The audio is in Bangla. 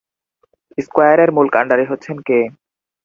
স্কয়ারের মূল কান্ডারি হচ্ছেন কে?